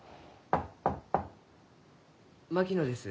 ・槙野です。